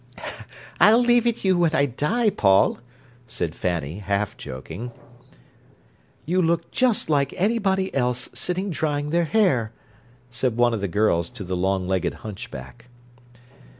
"I'll leave it you when I die, Paul," said Fanny, half joking. "You look just like anybody else, sitting drying their hair," said one of the girls to the long legged hunchback.